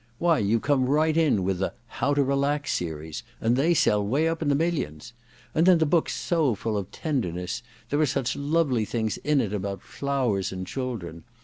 Why, you come right in with the How to Relax series, and they sell way up in the millions. And then the book's so full of tenderness — there are such lovely things in it about flowers and children.